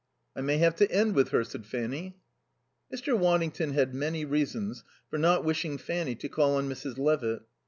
"I may have to end with her," said Fanny. Mr. Waddington had many reasons for not wishing Fanny to call on Mrs. Levitt.